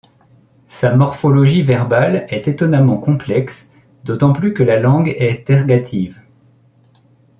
Sa morphologie verbale est étonnamment complexe, d'autant plus que la langue est ergative.